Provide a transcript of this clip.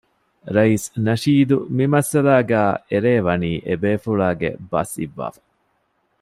ރައީސް ނަޝީދު މިމައްސަލާގައި އެރޭ ވަނީ އެބޭފުޅާގެ ބަސް އިއްވާފަ